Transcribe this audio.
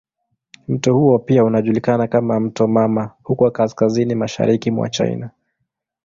Mto huo pia unajulikana kama "mto mama" huko kaskazini mashariki mwa China.